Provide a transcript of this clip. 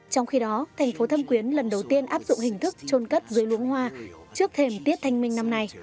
trong khi đó thành phố thâm quyến lần đầu tiên áp dụng hình thức trôn cất dưới lũ hoa trước thềm tiết thanh minh năm nay